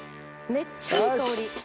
めっちゃいい香り！